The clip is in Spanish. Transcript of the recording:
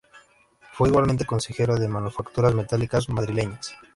Fue igualmente consejero de Manufacturas Metálicas Madrileñas.